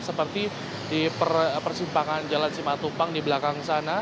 seperti di persimpangan jalan simatupang di belakang sana